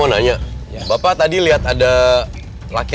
oh hari tante